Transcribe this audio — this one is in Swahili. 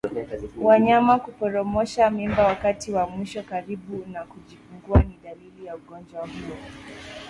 Wanyama kuporomosha mimba wakati wa mwisho karibu na kujifungua ni dalili za ugonjwa huu